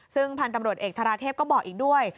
ซึ่งพันธุ์ตำรวจเอกธาราเทพก็บอกอีกด้วย